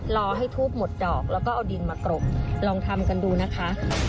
รอให้ทูบหมดดอกแล้วก็เอาดินมากรบลองทำกันดูนะคะ